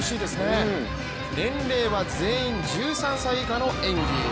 年齢は全員１３歳以下の演技。